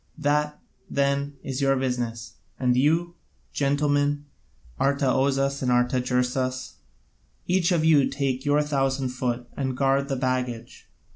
That, then, is your business; and you, gentlemen, Artaozus and Artagersas, each of you take your thousand foot and guard the baggage.